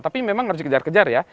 tapi memang harus dikejar kejar ya